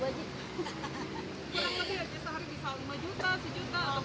kurang lebih aja sehari bisa lima juta sejuta atau berapa